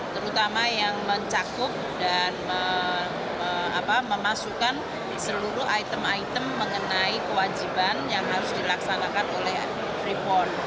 terutama yang mencakup dan memasukkan seluruh item item mengenai kewajiban yang harus dilaksanakan oleh freeport